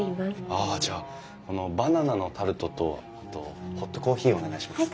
ああじゃあこのバナナのタルトとあとホットコーヒーをお願いします。